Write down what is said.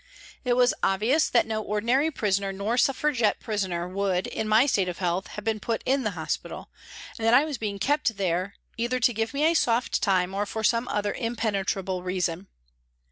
It was obvious that no ordinary prisoner nor Suffragette prisoner would, in my state of health, have been put in hospital, and that I was being kept there either to give me a soft time or for some other impenetrable reason.